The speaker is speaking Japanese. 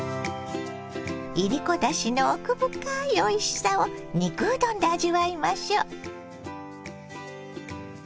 いりこだしの奥深いおいしさを肉うどんで味わいましょう。